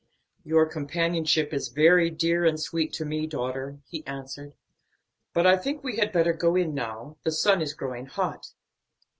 "Your companionship is very dear and sweet to me, daughter," he answered. "But I think we had better go in now; the sun is growing hot."